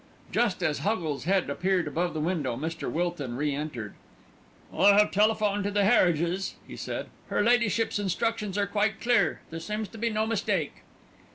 Just as Huggles' head appeared above the window, Mr. Wilton re entered. "I have telephoned to Harridges," he said. "Her ladyship's instructions are quite clear, there seems to be no mistake."